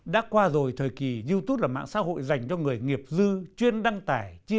đã qua rồi thời kỳ youtube là mạng xã hội dành cho người nghiệp dư chuyên đăng tải